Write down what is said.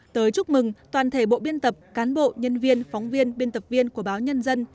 tới chúc mừng toàn thể bộ biên tập cán bộ nhân viên phóng viên biên tập viên của báo nhân dân